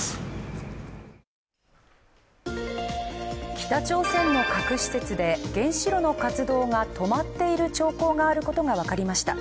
北朝鮮の核施設で原子炉の活動が止まっている兆候があることが分かりました。